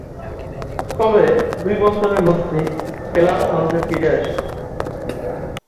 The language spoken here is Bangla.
তবে, দুই বছরের মধ্যেই খেলার ছন্দে ফিরে আসেন।